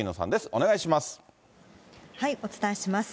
お願いします。